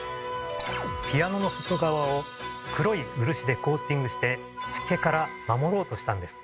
ピアノの外側を黒い漆でコーティングして湿気から守ろうとしたんです。